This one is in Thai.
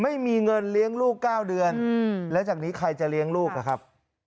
ไม่มีเงินเลี้ยงลูก๙เดือนแล้วจากนี้ใครจะเลี้ยงลูกนะครับ